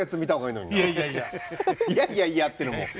「いやいやいや」ってのも。